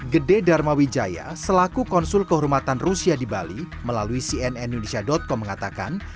gede dharma wijaya selaku konsul kehormatan rusia di bali melalui cnn indonesia com mengatakan